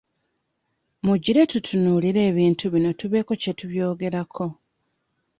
Mugire tutunuulire ebintu bino tubeeko kye tubyogerako.